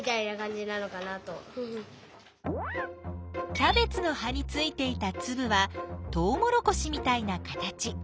キャベツの葉についていたつぶはとうもろこしみたいな形。